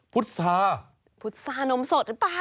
พุทธซาพุทธซานมสดหรือเปล่า